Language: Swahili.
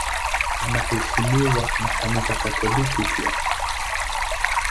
Anaheshimiwa hivyo na Kanisa Katoliki pia.